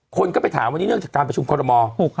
คนก็ไปถามวันนี้เนื่องจากการประชุมคอรมอล